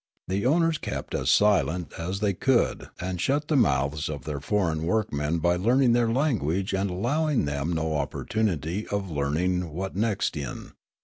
The owners kept as silent as they could and shut the mouths of their foreign workmen by learning their language and allowing them no op portunity of learning Wotnekstian.